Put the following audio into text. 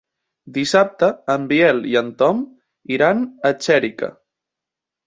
Dissabte en Biel i en Tom iran a Xèrica.